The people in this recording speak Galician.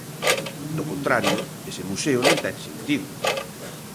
Do contrario, ese museo non ten sentido.